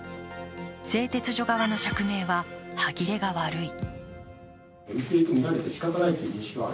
製鉄所側の釈明は歯切れが悪い。